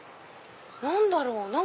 何だろう？